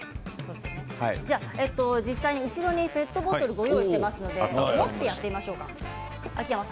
実際に後ろにペットボトルをご用意していますのでやってみましょうか。